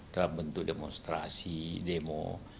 dalam bentuk demonstrasi demo